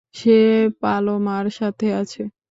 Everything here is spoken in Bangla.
সে পালোমার সাথে আছে।